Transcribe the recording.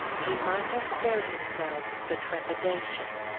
He might have spared him self the trepidation.